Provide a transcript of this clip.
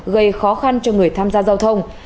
gây khó khăn cho người tham gia giao thông